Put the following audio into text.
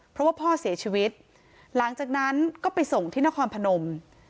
เพราะว่าพ่อเสียชีวิตหลังจากนั้นก็ไปส่งที่นครพนม